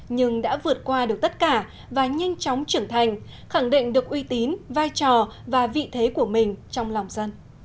nhưng đã vượt qua được tất cả và nhanh chóng trưởng thành khẳng định được uy tín vai trò và vị thế của mình trong lòng dân